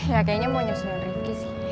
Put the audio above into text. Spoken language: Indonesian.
ya kayaknya mau nyusul rinki sih